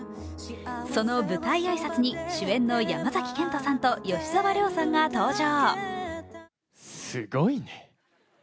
その舞台挨拶に主演の山崎賢人さんと吉沢亮さんが登場。